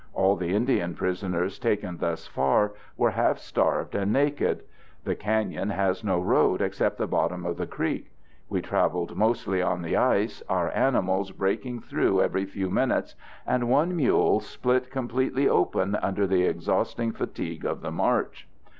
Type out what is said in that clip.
All the Indian prisoners taken thus far were half starved and naked. The cañon has no road except the bottom of the creek. We traveled mostly on the ice, our animals breaking through every few minutes, and one mule split completely open under the exhausting fatigue of the march.